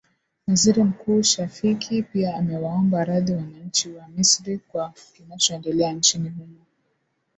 waziri mkuu shafikhi pia amewaomba radhi wananchi wa misri kwa kinachoendelea nchini humo